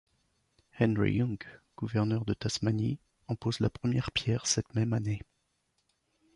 Henry Young, gouverneur de Tasmanie, en pose la première pierre cette même année.